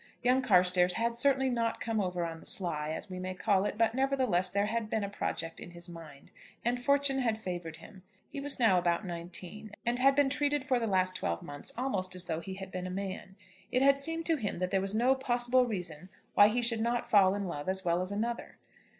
Young Carstairs had certainly not come over on the sly, as we may call it, but nevertheless there had been a project in his mind, and fortune had favoured him. He was now about nineteen, and had been treated for the last twelve months almost as though he had been a man. It had seemed to him that there was no possible reason why he should not fall in love as well as another.